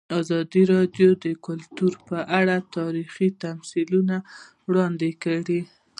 ازادي راډیو د کلتور په اړه تاریخي تمثیلونه وړاندې کړي.